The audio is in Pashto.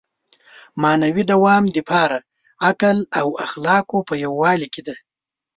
معنوي دوام د باور، عقل او اخلاقو په یووالي کې دی.